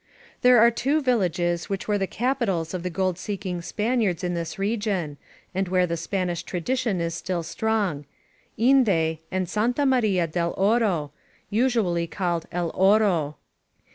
There are two villages which were the capitals of the gold seeking Spaniards in this region, and where the Spanish tradition is still strong: Inde, and Santa Maria del Oro, — usually called El Oro.